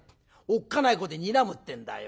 おっかない顔でにらむってんだよ。